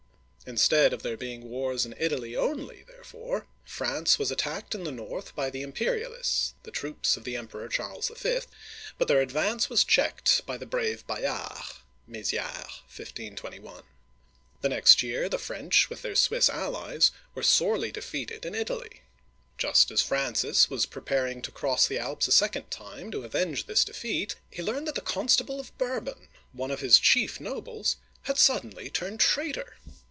Instead of there being wars in Italy only, therefore, France was attacked in the north by the Imperialists (the troops of the Emperor Charles V.), but their advance was checked by the brave Bayard (Mezi^res, 1521). The next year, the French with their Swiss allies were sorely de feated in Italy. Just as Francis was preparing to cross the Alps a second time, to avenge this defeat, he learned that the Constable of Bourbon (boor'bun), one of his chief nobles, had suddenly turned traitor